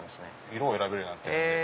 色を選べるようになってるんで。